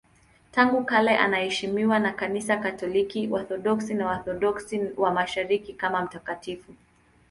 Tangu kale anaheshimiwa na Kanisa Katoliki, Waorthodoksi na Waorthodoksi wa Mashariki kama mtakatifu.